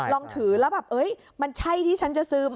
ลองถือแล้วแบบมันใช่ที่ฉันจะซึม